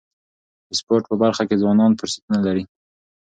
د سپورټ په برخه کي ځوانان فرصتونه لري.